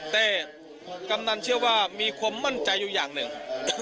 แต่กำนันเชื่อว่ามีความมั่นใจอยู่อย่างหนึ่ง